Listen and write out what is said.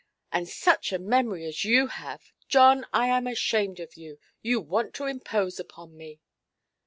And such a memory as you have! John, I am ashamed of you. You want to impose upon me".